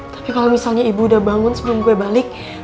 tapi kalau misalnya ibu udah bangun sebelum gue balik